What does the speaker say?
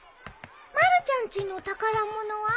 まるちゃんちの宝物は？